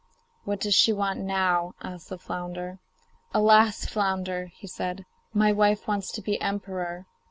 'What does she want now?' asked flounder. 'Alas! flounder,' he said, 'my wife wants to be emperor.